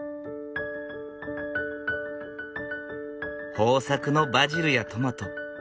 豊作のバジルやトマト。